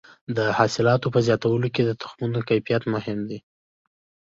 د حاصلاتو په زیاتولو کې د تخمونو کیفیت مهم دی.